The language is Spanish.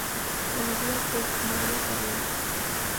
Conocida por "María Carrera".